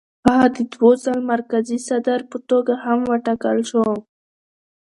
هغه د دوو ځل مرکزي صدر په توګه هم وټاکل شو.